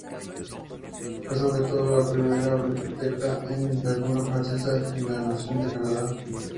Fue sobre todo la primera biblioteca en lengua francesa en la nación de Canadá.